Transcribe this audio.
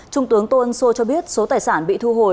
trung tướng tô ân sô cho biết số tài sản bị thu hồi